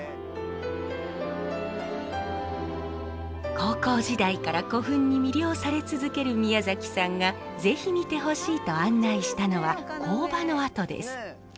高校時代から古墳に魅了され続ける宮崎さんが是非見てほしいと案内したのは工場の跡です。